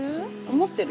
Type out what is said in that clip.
持ってる？